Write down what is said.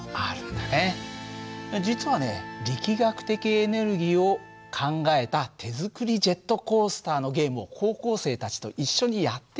実はね力学的エネルギーを考えた手作りジェットコースターのゲームを高校生たちと一緒にやってきたんだ。